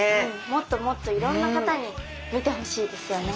もっともっといろんな方に見てほしいですよね。